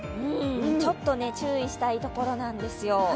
ちょっと注意したいところなんですよ。